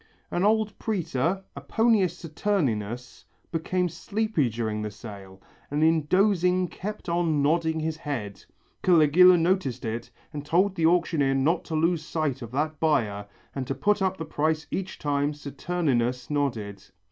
An old prætor, Aponius Saturninus, became sleepy during the sale, and in dozing kept on nodding his head. Caligula noticed it, and told the auctioneer not to lose sight of that buyer and to put up the price each time Saturninus nodded.